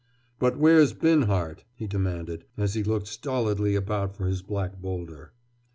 "But where's Binhart?" he demanded, as he looked stolidly about for his black boulder.